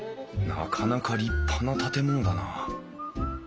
なかなか立派な建物だなあ。